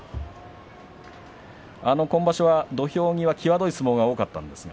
今場所は土俵際際どい相撲が多かったんですか。